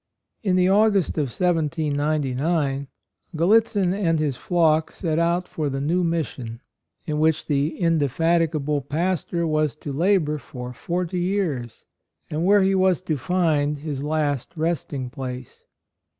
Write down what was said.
In the August of 1799Gallitzin and his flock set out for the new mission, in which the indefati gable pastor was to labor for forty years, and where he was to find his last resting place.